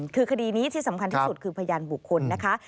คือคดีนี้ที่สำคัญที่สุดคือพยานบุคคลนะคะ